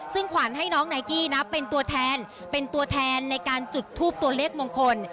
ซึ่งขวัญให้น้องไนกี้นะเป็นตัวแทนเป็นตัวแทนในการจุดทูปตัวเลขมงคล